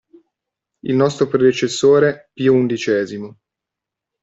Il nostro predecessore Pio XI.